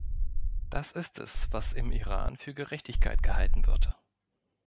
Das ist es, was im Iran für Gerechtigkeit gehalten wird.